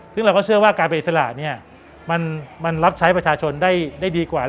ซึ่งเราก็เชื่อว่าการเป็นอิสระเนี่ยมันรับใช้ประชาชนได้ดีกว่า